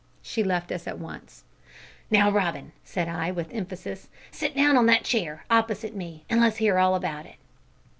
She left us at once. "Now, Robin," said I, with emphasis, "sit down on that chair, opposite me, and let's hear all about it."